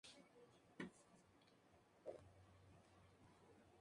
Debido a que no era de gravedad, el jugador estrella no fue desafectado.